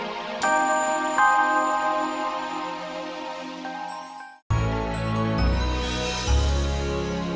ketika akhirnya pelarian lo sudah berakhir